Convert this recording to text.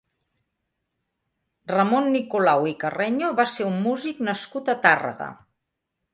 Ramon Nicolau i Carreño va ser un músic nascut a Tàrrega.